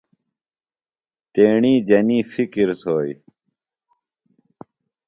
تیݨی جنیۡ فکر تھوئی